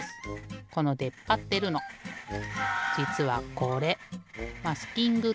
このでっぱってるのじつはこれマスキングテープ。